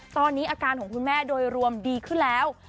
ตอนนี้อาการของคุณแม่โดยรวมดีขึ้นแล้ว